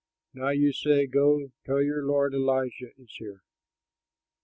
Now you say, 'Go, tell your lord, Elijah is here!'